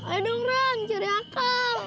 aduh ram cari akal